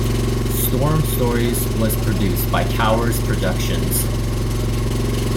"Storm Stories" was produced by Towers Productions.